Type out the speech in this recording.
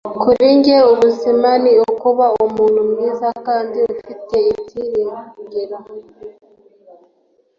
kuri njye, ubuzima ni ukuba umuntu mwiza kandi ufite ibyiringiro